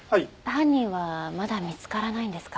犯人はまだ見つからないんですか？